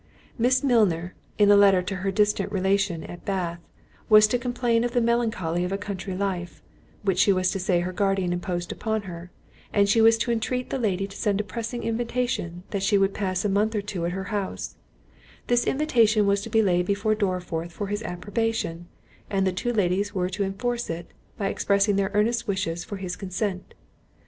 Miss Milner, in a letter to her distant relation at Bath, was to complain of the melancholy of a country life, which she was to say her guardian imposed upon her; and she was to entreat the lady to send a pressing invitation that she would pass a month or two at her house; this invitation was to be laid before Dorriforth for his approbation, and the two ladies were to enforce it, by expressing their earnest wishes for his consent.